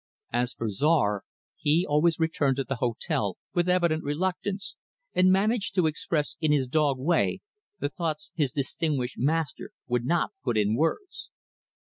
As for Czar he always returned to the hotel with evident reluctance; and managed to express, in his dog way, the thoughts his distinguished master would not put in words.